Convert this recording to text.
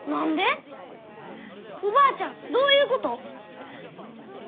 おばあちゃんどういうこと？